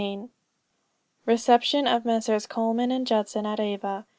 CHAPTER XI. RECEPTION OF MESSRS. COLMAN AND JUDSON AT AVA.